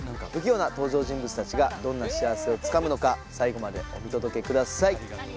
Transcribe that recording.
不器用な登場人物達がどんな幸せをつかむのか最後までお見届けください